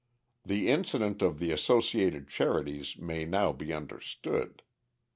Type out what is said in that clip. The incident of the associated charities may now be understood.